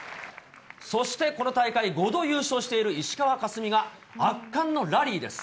そしてこの大会、５度優勝している石川佳純が圧巻のラリーです。